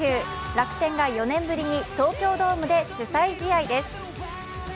楽天が４年ぶりに東京ドームで主催試合です。